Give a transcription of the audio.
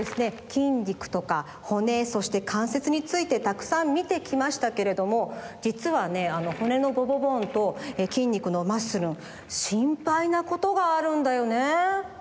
筋肉とか骨そして関節についてたくさんみてきましたけれどもじつはね骨のボボボーンと筋肉のマッスルンしんぱいなことがあるんだよね？